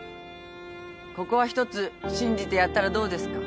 ここはひとつ信じてやったらどうですか。